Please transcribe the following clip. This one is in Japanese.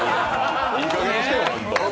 いいかげんにしてよホンマ。